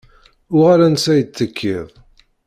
Uɣal ansa i d-tekkiḍ.